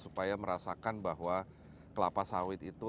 supaya merasakan bahwa kelapa sawit itu